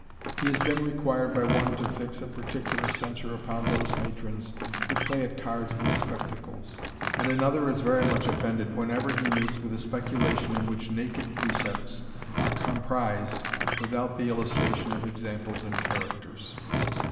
He has been required by one to fix a particular censure upon those matrons who play at cards with spectacles : and another is very much offended whenever he meets with a speculation in which naked precepts are comprised without the illustration of examples and characters.